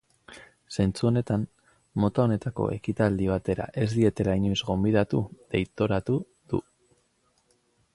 Zentzu honetan, mota honetako ekitaldi batera ez dietela inoiz gonbidatu deitoratu du.